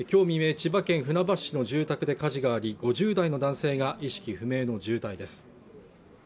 千葉県船橋市の住宅で火事があり５０代の男性が意識不明の重体です